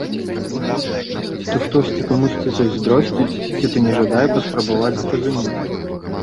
Ці то хтосьці камусьці зайздросціць, ці то не жадае паспрабаваць зразумець.